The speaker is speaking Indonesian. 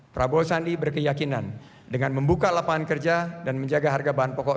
prabowo sandi berkeyakinan dengan membuka lapangan kerja dan menjaga harga bahan pokok